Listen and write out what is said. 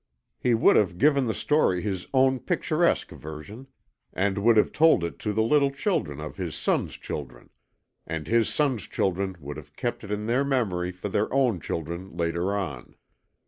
He would have given the story his own picturesque version, and would have told it to the little children of his son's children; and his son's children would have kept it in their memory for their own children later on.